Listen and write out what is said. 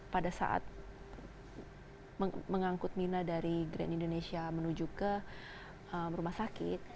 pada saat mengangkut mirna dari grand indonesia menuju ke rumah sakit